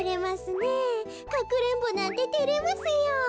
かくれんぼなんててれますよ。